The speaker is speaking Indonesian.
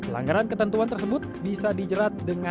tidak ada yang bisa diperlukan